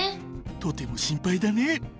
とても心配だね。